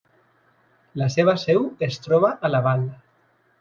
La seva seu es troba a Laval.